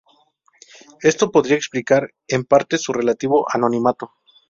Esto podría explicar en parte su relativo anonimato.